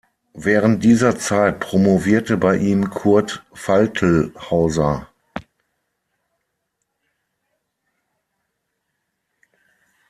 Während dieser Zeit promovierte bei ihm Kurt Faltlhauser.